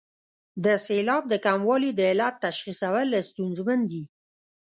د سېلاب د کموالي د علت تشخیصول ستونزمن دي.